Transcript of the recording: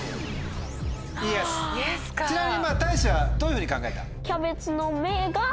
ちなみにたいしはどういうふうに考えた？